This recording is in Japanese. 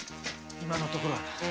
今のところはな。